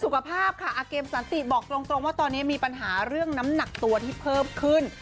สุขภาพค่ะอาเกมสันติบอกตรงว่าตอนนี้มีปัญหาเรื่องน้ำหนักตัวที่เพิ่มขึ้น